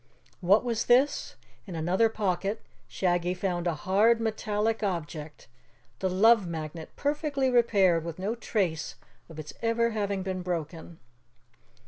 What was this? In another pocket, Shaggy found a hard metallic object, the Love Magnet, perfectly repaired with no trace of its ever having been broken.